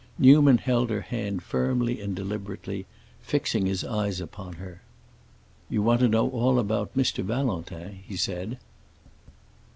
Newman held her hand firmly and deliberately, fixing his eyes upon her. "You want to know all about Mr. Valentin?" he said.